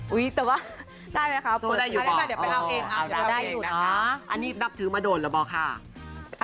อุ๊ยแต่ว่าเสริมวินไทยอยู่บอกยังไงจำไม่เอาอู่แล้วเหรออันนี้รับถือมาโดนแล้วเปล่าค่ะ